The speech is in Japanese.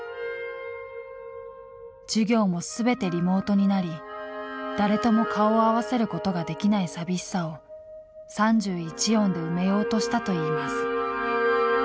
授業も全てリモートになり誰とも顔を合わせることができない寂しさを３１音で埋めようとしたといいます。